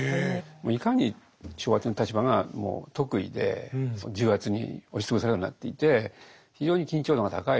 いかに昭和天皇の立場がもう特異で重圧に押し潰されるようになっていて非常に緊張感が高い。